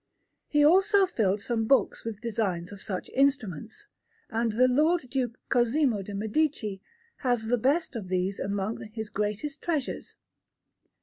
He also filled some books with designs of such instruments; and the Lord Duke Cosimo de' Medici has the best of these among his greatest treasures.